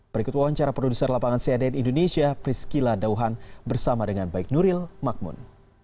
berikut wawancara produser lapangan cnn indonesia priscila dauhan bersama dengan baik nuril makmun